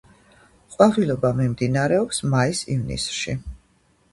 ყვავილობა მიმდინარეობს მაის-ივნისში.